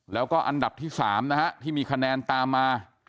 แล้วก็อันดับที่๓นะฮะที่มีคะแนนตามมา